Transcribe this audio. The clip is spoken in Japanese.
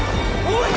おい！